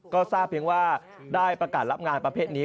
ก็ทราบเพียงว่าได้ประกาศรับงานประเภทนี้